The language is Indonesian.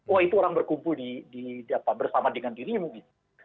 oh itu orang berkumpul bersama dengan dirinya mungkin